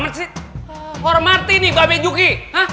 orang mati nih bapak juki